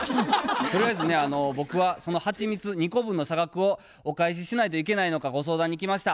とりあえずね僕はそのはちみつ２個分の差額をお返ししないといけないのかご相談に来ました。